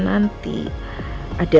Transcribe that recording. adalah wanita yang baik baik